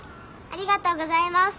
ありがとうございます。